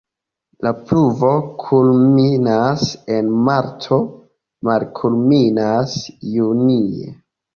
La pluvo kulminas en marto, malkulminas junie.